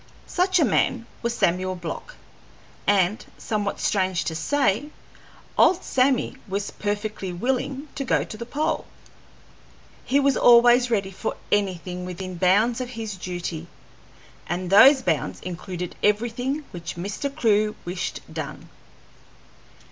Such a man was Samuel Block, and, somewhat strange to say, old Sammy was perfectly willing to go to the pole. He was always ready for anything within bounds of his duty, and those bounds included everything which Mr. Clewe wished done.